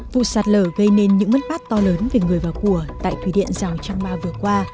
vụ sạt lở gây nên những mất bát to lớn về người và của tại thủy điện giao trang ma vừa qua